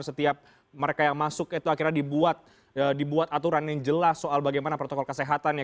setiap mereka yang masuk itu akhirnya dibuat aturan yang jelas soal bagaimana protokol kesehatannya